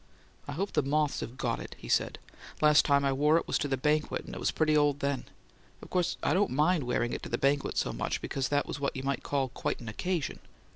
"I hope the moths have got in it," he said. "Last time I wore it was to the banquet, and it was pretty old then. Of course I didn't mind wearing it to the banquet so much, because that was what you might call quite an occasion."